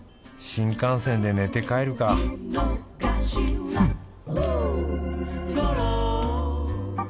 新幹線で寝て帰るかフッ